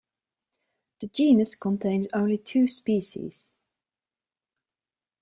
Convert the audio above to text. The genus contains only two species.